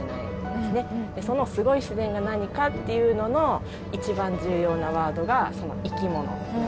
そのすごい自然が何かっていうのの一番重要なワードが生き物。